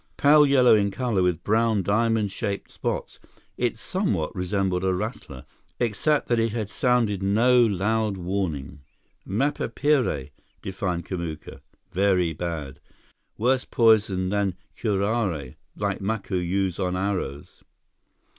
Pale yellow in color, with brown, diamond shaped spots, it somewhat resembled a rattler, except that it had sounded no loud warning. "Mapepire," defined Kamuka. "Very bad. Worse poison than curare, like Macu use on arrows."